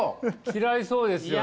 嫌いそうですよね